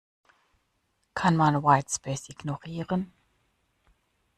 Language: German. Kann man Whitespace ignorieren?